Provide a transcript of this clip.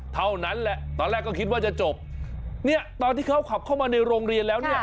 เท่านั้นแหละตอนแรกก็คิดว่าจะจบเนี่ยตอนที่เขาขับเข้ามาในโรงเรียนแล้วเนี่ย